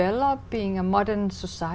trung tâm đại học